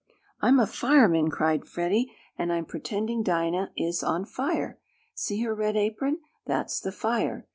"I'm a fireman!" cried Freddie, "and I'm pretending Dinah is on fire. See her red apron that's the fire!"